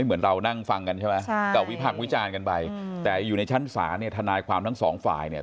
มันก็จะมีทราบเทคนิคขั้นตอน